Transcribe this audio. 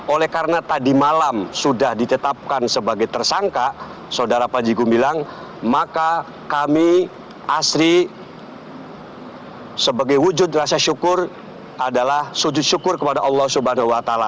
oleh karena tadi malam sudah ditetapkan sebagai tersangka saudara panji gumilang maka kami asri sebagai wujud rasa syukur adalah sujud syukur kepada allah swt